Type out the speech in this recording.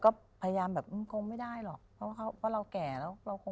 ก็พยายามแบบมันคงไม่ได้หรอกเพราะว่าเราแก่แล้วเราคงไม่ได้อย่างนี้